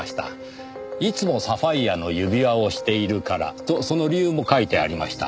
いつもサファイアの指輪をしているからとその理由も書いてありました。